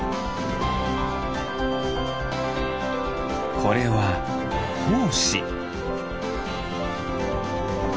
これはほうし。